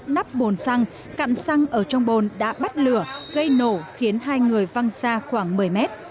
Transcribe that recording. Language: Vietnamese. nắp bồn xăng cặn xăng ở trong bồn đã bắt lửa gây nổ khiến hai người văng xa khoảng một mươi mét